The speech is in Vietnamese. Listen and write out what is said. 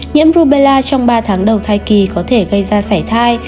nhiễm rubella trong ba tháng đầu thai kỳ có thể gây ra sải thai